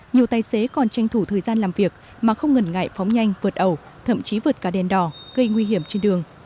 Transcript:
nhiều tài xế còn tranh thủ thời gian làm việc mà không ngần ngại phóng nhanh vượt ẩu thậm chí vượt cả đèn đỏ gây nguy hiểm trên đường